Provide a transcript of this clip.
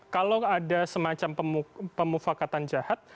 kalau ada semacam pemufakatan jahat